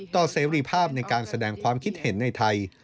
เสรีภาพในการแสดงความคิดเห็นในไทย